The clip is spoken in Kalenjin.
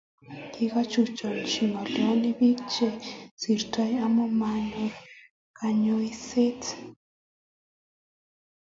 Kikochuchuch ngoliondoni bik che sirtoi amu manyor kanyoiset